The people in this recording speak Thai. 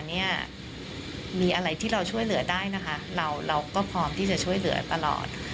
เนี่ยมีอะไรที่เราช่วยเหลือได้นะคะเราก็พร้อมที่จะช่วยเหลือตลอด